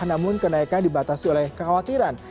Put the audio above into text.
namun kenaikan dibatasi oleh kekhawatiran